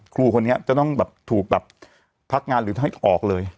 ครูคนนี้จะต้องแบบถูกแบบพักงานหรือให้ออกเลย